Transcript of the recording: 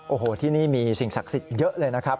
โอ้โหที่นี่มีสิ่งศักดิ์สิทธิ์เยอะเลยนะครับ